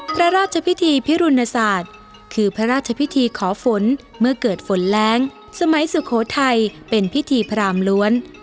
พระราชพิธีพิรุณศาสตร์คือพระราชพิธีขอฝนเมื่อเกิดฝนแรงสมัยสุโขทัยเป็นพิธีพรามล้วน